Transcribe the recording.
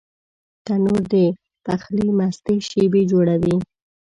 تنور د پخلي مستې شېبې جوړوي